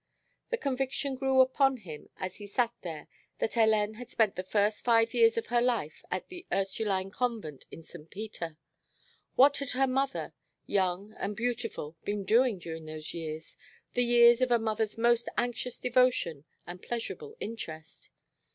The conviction grew upon him as he sat there that Hélène had spent the first five years of her life at the Ursuline Convent in St. Peter. What had her mother young and beautiful been doing during those years, the years of a mother's most anxious devotion and pleasurable interest?